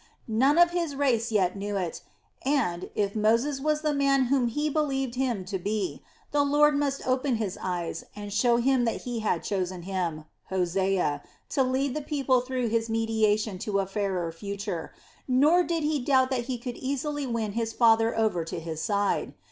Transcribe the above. None of his race yet knew it and, if Moses was the man whom he believed him to be, the Lord must open his eyes and show him that he had chosen him, Hosea, to lead the people through his mediation to a fairer future; nor did he doubt that He could easily win his father over to his side.